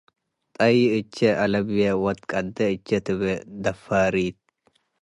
“ጠይእ እቼ አለቡ ወትቀዴ እቼ” ትቤ ድፋሪት።